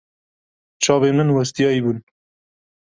Çavên min westiyayî bûn.